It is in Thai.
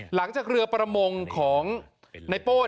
หลังจากเรือประมงของในโป้